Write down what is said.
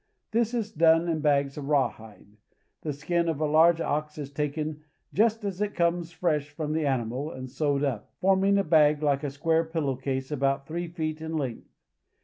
This is done in bags of rawhide. The skin of a large ox is taken just as it comes fresh from the animal, and sewed up, forming a bag like a square pillowcase about three feet in length.